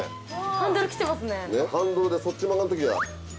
ハンドルでそっち曲がる時は。